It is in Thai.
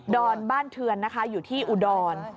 อนบ้านเทือนนะคะอยู่ที่อุดร